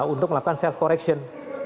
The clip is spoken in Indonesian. untuk melakukan self correction